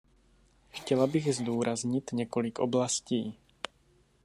Chtěla bych zdůraznit několik oblastí.